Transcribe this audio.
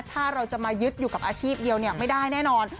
ถ้าเราจะมายึดอยู่กับอาชีพเดียวไม่ได้แน่นอน